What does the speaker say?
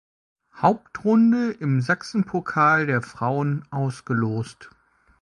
Hauptrunde im Sachsenpokal der Frauen ausgelost.